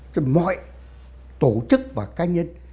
cho mọi tổ chức và cá nhân